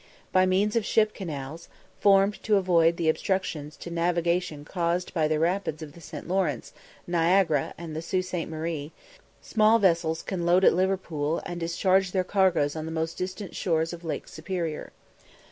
By means of ship canals, formed to avoid the obstructions to navigation caused by the rapids of the St. Lawrence, Niagara, and the Sault Sainte Marie, small vessels can load at Liverpool and discharge their cargoes on the most distant shores of Lake Superior.